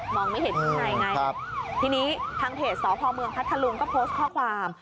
มองไม่เห็นในไงครับทีนี้ทางเผสสพเมืองพัทธาลุงก็โพสต์ข้อความ